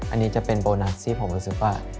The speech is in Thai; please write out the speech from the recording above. อันนี้จะเป็นโบนัสที่ผมรู้สึกว่า